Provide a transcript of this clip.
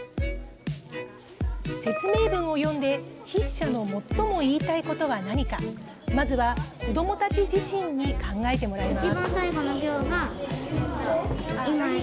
説明文を読んで筆者の最も言いたいことは何かまずは子どもたち自身に考えてもらいます。